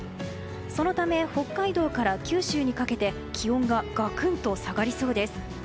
そのため北海道から九州にかけて気温がガクンと下がりそうです。